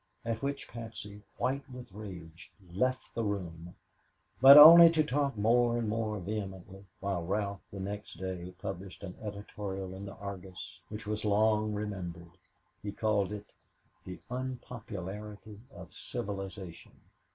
At which Patsy, white with rage, left the room, but only to talk more and more vehemently, while Ralph the next day published an editorial in the Argus which was long remembered. He called it "The Unpopularity of Civilization."